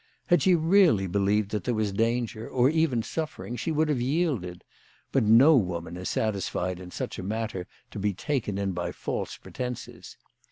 Had she really believed that there was danger, or even suffering, she would have yielded ; but no woman is satisfied in such a matter to be taken in by false pretences.